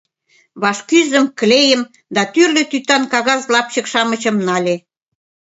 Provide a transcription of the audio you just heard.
Вашкӱзым, клейым да тӱрлӧ тӱтан кагаз лапчык-шамычым нале.